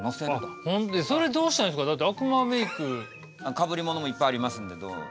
かぶり物もいっぱいありますんでどうぞ。